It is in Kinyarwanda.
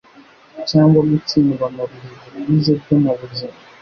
cyangwa gutsindwa mu bihe biruhije byo mu buzima.